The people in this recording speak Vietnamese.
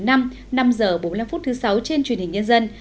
năm h bốn mươi năm phút thứ sáu trên truyền hình nhân dân